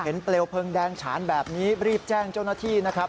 เปลวเพลิงแดงฉานแบบนี้รีบแจ้งเจ้าหน้าที่นะครับ